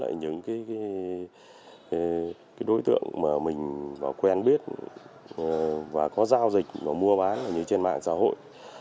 những đối tượng mà mình quen biết và có giao dịch và mua bán như trên mạng xã hội